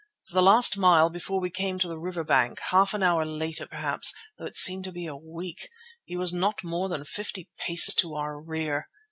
For the last mile before we came to the river bank, half an hour later perhaps, though it seemed to be a week, he was not more than fifty paces to our rear.